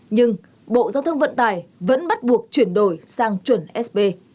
nhưng bộ giao thông vận tải vẫn bắt buộc chuyển đổi sang chuẩn sb